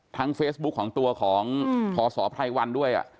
ทั้งเฟซบุ๊กของตัวของพศพลัยวันด้วยอะ